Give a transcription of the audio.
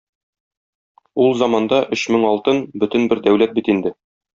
Ул заманда өч мең алтын бөтен бер дәүләт бит инде.